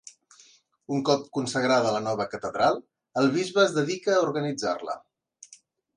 Un cop consagrada la nova catedral, el bisbe es dedica a organitzar-la.